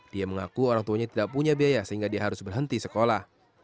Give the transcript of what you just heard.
dia mengaku orang tuanya tidak punya biaya sehingga dia harus berhenti sekolah